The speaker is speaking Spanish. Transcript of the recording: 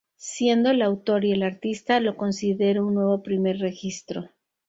Siendo el autor y el artista, lo considero un nuevo "primer" registro.